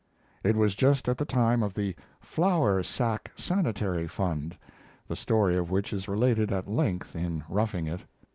It was just at the time of the "Flour Sack Sanitary Fund," the story of which is related at length in 'Roughing It'.